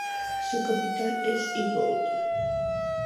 Su capital es Aigle.